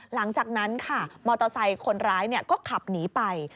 หลังจากนั้นค่ะมอเตอร์ไซค์คนร้ายก็ขับหนีไป